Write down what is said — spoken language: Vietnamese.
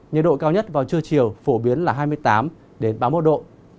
nhiệt độ cao nhất vào trưa chiều phổ biến là hai mươi tám ba mươi một độ